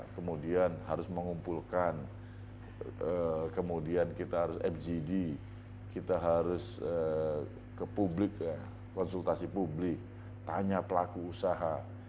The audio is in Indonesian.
kemudian harus mengumpulkan kemudian kita harus fgd kita harus ke publik ya konsultasi publik tanya pelaku usaha